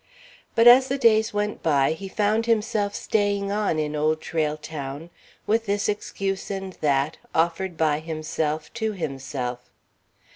But as the days went by, he found himself staying on in Old Trail Town, with this excuse and that, offered by himself to himself.